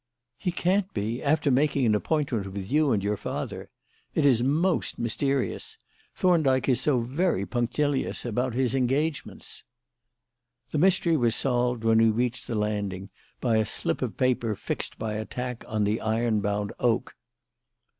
"He can't be after making an appointment with you and your father. It is most mysterious. Thorndyke is so very punctilious about his engagements." The mystery was solved, when we reached the landing, by a slip of paper fixed by a tack on the iron bound "oak."